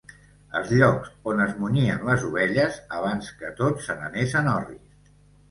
Els llocs on es munyien les ovelles abans que tot se n'anés en orris.